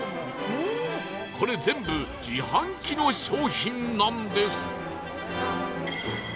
これ全部自販機の商品なんです